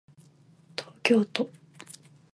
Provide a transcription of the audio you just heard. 東京都雲雀市